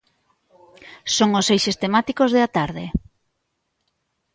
Son os eixes temáticos de A tarde.